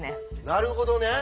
なるほどね。